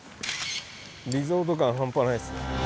リゾート感、半端ないっすね。